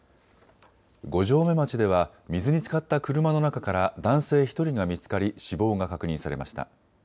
五城目町では水につかった車の中から男性１人が見つかり死亡が確認されました。